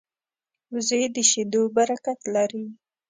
وزې د شیدو برکت لري